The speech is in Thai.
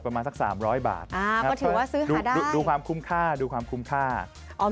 ประมาณสัก๓๐๐บาทดูความคุ้มค่าคือว่าซื้อหาได้